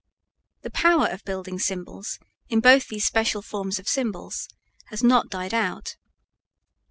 The power of building symbols in both these special forms of symbols has not died out.